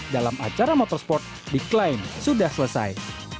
dalam acara motorsport di klein sudah selesai